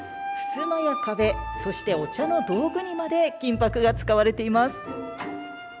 ふすまや壁、そしてお茶の道具にまで金箔が使われています。